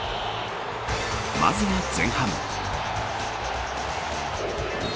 まずは前半。